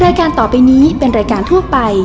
รายการต่อไปนี้เป็นรายการทั่วไป